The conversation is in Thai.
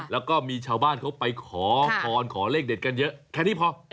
แล้วก็มีชาวบ้านเขาไปขอพรขอเลขเด็ดกันเยอะแค่นี้พอ